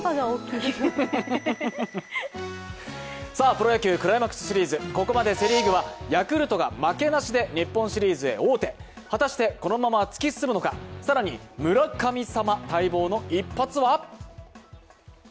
プロ野球クライマックスシリーズ、ここまでセ・リーグはヤクルトが負けなしで日本シリーズに王手、果たしてこのまま突き進むのか更に村神様、待望の一発は？